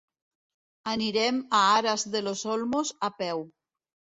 Anirem a Aras de los Olmos a peu.